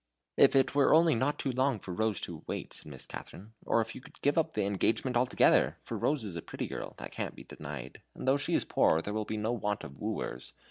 "If it were only not too long for Rose to wait," said Mrs. Katharine, "or if you could give up the engagement altogether! For Rose is a pretty girl, that can't be denied; and though she is poor, there will be no want of wooers.